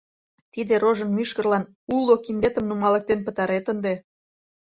Тиде рожын мӱшкырлан уло киндетым нумалыктен пытарет ынде...